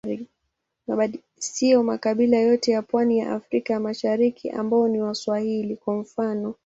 Siyo makabila yote ya pwani ya Afrika ya Mashariki ambao ni Waswahili, kwa mfano.